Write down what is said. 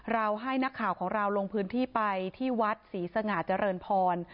ให้นักข่าวของเราลงพื้นที่ไปที่วัดศรีสง่าเจริญพร